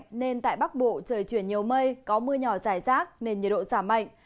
tùng khí lạnh nên tại bắc bộ trời chuyển nhiều mây có mưa nhỏ dài rác nên nhiệt độ giảm mạnh